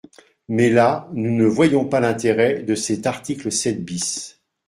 Mais là, nous ne voyons pas l’intérêt de cet article sept bis.